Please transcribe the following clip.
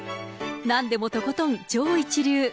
なんでもとことん超一流。